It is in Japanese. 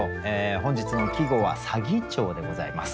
本日の季語は「左義長」でございます。